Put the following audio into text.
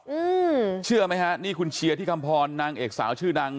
อืมเชื่อไหมฮะนี่คุณเชียร์ที่คำพรนางเอกสาวชื่อดัง